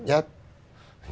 những cái đột phá